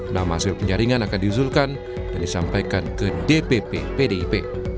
nama hasil penjaringan akan diusulkan dan disampaikan ke dpp pdip